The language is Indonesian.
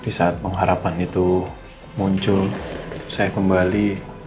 di saat pengharapan itu muncul saya kembali